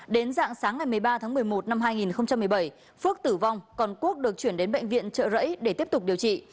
đến dạng sáng ngày một mươi ba tháng một mươi một năm hai nghìn một mươi bảy phước tử vong còn quốc được chuyển đến bệnh viện trợ rẫy để tiếp tục điều trị